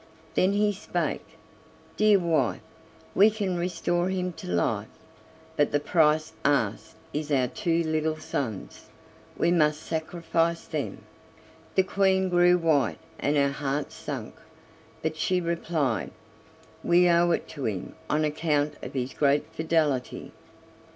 Then he spake: "Dear wife, we can restore him to life, but the price asked is our two little sons; we must sacrifice them." The Queen grew white and her heart sank, but she replied: "We owe it to him on account of his great fidelity."